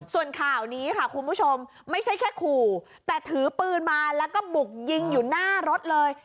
ส่วนข่าวนี้ค่ะคุณผู้ชมไม่ใช่แค่ขู่แต่ถือปืนมาแล้วก็บุกยิงอยู่หน้ารถเลย